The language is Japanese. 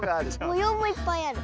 もようもいっぱいある。